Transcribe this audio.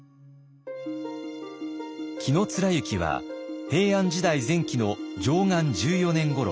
紀貫之は平安時代前期の貞観十四年ごろ